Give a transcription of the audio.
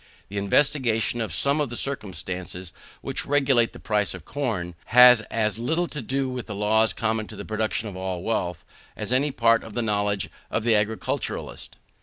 The investigation of some of the circumstances which regulate the price of corn, has as little to do with the laws common to the production of all wealth, as any part of the knowledge of the agriculturist.